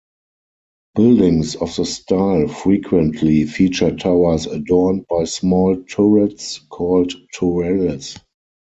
Buildings of the style frequently feature towers adorned by small turrets called tourelles.